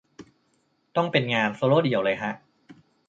ต้องเป็นงานโซโลเดี่ยวเลยฮะ